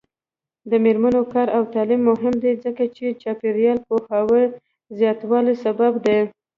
د میرمنو کار او تعلیم مهم دی ځکه چې چاپیریال پوهاوي زیاتولو سبب دی.